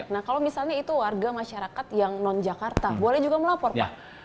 nah kalau misalnya itu warga masyarakat yang non jakarta boleh juga melapor pak